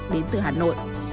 đến từ hà nội